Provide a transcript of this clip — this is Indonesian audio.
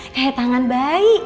kayak tangan bayi